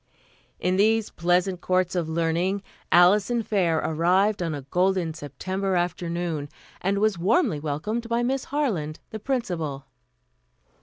In these pleasant courts of learning Alison Fair arrived on a golden September afternoon, and was warmly welcomed by Miss Harland, the Principal.